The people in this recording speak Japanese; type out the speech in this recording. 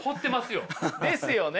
ですよね。